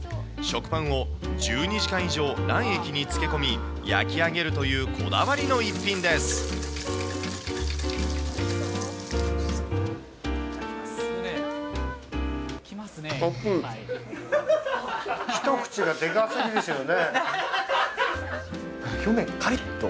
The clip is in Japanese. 食パンを１２時間以上卵液に漬け込み、焼き上げるというこだわりの逸品です。